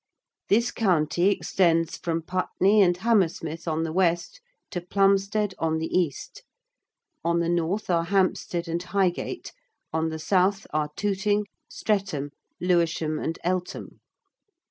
This County extends from Putney and Hammersmith on the West to Plumstead on the East: on the North are Hampstead and Highgate; on the South are Tooting, Streatham, Lewisham and Eltham.